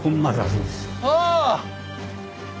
ああ！